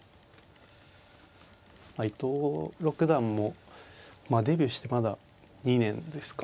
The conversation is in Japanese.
伊藤六段もデビューしてまだ２年ですか。